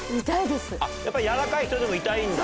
やっぱ柔らかい人でも痛いんだ。